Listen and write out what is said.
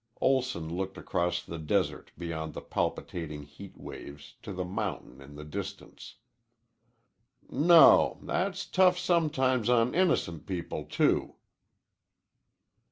Olson looked across the desert beyond the palpitating heat waves to the mountains in the distance. "No. That's tough sometimes on innocent people, too."